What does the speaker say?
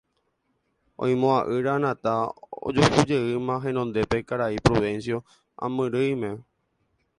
oimo'ã'ỹre Anata ojuhujeýma henondépe karai Prudencio amyrỹime